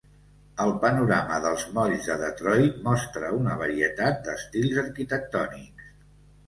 El panorama dels molls de Detroit mostra una varietat d'estils arquitectònics.